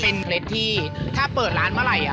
เป็นเคล็ดที่ถ้าเปิดร้านมาลัย